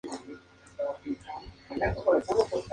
En sitios húmedos, cañaverales.